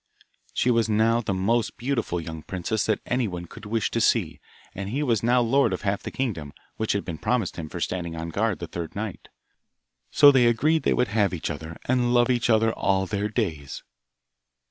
She was now the most beautiful young princess that anyone could wish to see, and he was now lord of half the kingdom, which had been promised him for standing on guard the third nigh. So they agreed that they would have each other, and love each other all their days.